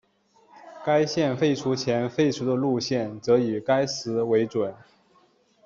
该线废除前废除的路线则以该时为准。